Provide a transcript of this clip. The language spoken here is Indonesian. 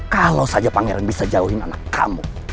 kalau saja pangeran bisa jauhin anak kamu